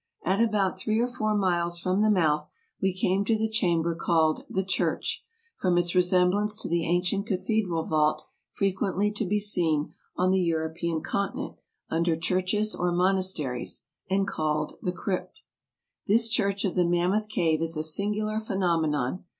At about three or four miles from the mouth we came to the chamber called " The Church," from its resemblance to the ancient cathedral vault frequently to be seen on the European continent under churches or mon asteries, and called the crypt. This church of the Mammoth Cave is a singular phenom enon.